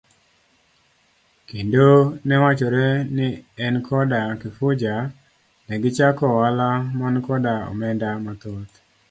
Kendo newachore ni en koda Kifuja negichako ohala man koda omenda mathoth.